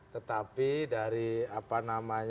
tetapi dari pengalaman